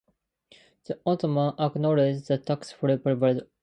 The Ottomans also acknowledged the tax-free privilege of nobles.